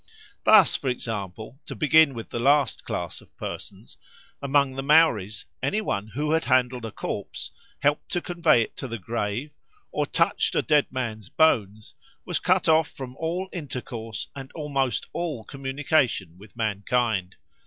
Thus, for example, to begin with the last class of persons, among the Maoris any one who had handled a corpse, helped to convey it to the grave, or touched a dead man's bones, was cut off from all intercourse and almost all communication with mankind.